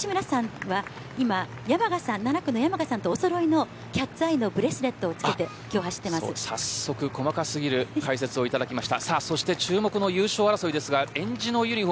吉村さんは７区の山賀さんとおそろいのキャッツアイをつけて早速、細かすぎる解説をいただきました。